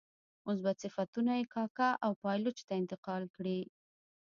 مثبت صفتونه یې کاکه او پایلوچ ته انتقال کړي.